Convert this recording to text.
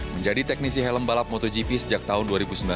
menjadi teknisi helm balap motogp sejak tahun dua ribu sembilan belas